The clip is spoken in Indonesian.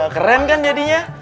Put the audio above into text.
keren kan jadinya